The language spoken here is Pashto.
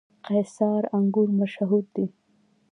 قیصار انګور مشهور دي؟